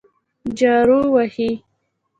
جارو وهي.